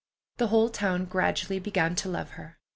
The whole town gradually began to love her.